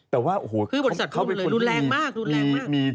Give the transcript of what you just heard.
แต่ว่าโอ้โฮคือบริษัทควรลุมเลยดูแรงมาก